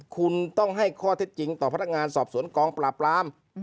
คุณต้องให้ข้อเท็จจริงต่อพนักงานสอบสวนกองปราบราม